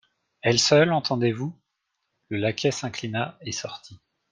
Elle seule, entendez-vous ? Le laquais s'inclina et sortit.